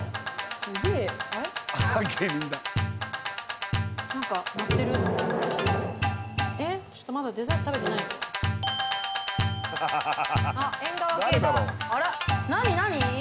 すげええっちょっとまだデザート食べてないあっ縁側系だあら